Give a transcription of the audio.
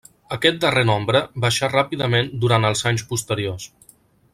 Aquest darrer nombre baixà ràpidament durant els anys posteriors.